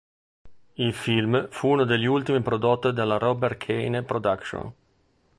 Il film fu uno degli ultimi prodotto dalla Robert Kane Productions.